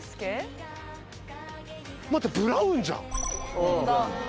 待ってブラウンじゃん。